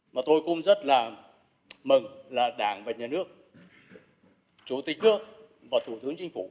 mà tôi cũng rất là mừng là đảng và nhà nước chủ tịch nước và thủ tướng chính phủ